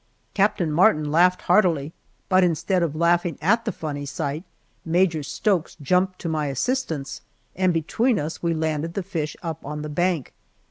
Captain Martin laughed heartily, but instead of laughing at the funny sight, Major Stokes jumped to my assistance, and between us we landed the fish up on the bank.